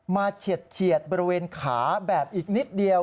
เฉียดบริเวณขาแบบอีกนิดเดียว